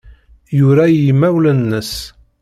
Yura i yimawlan-nnes.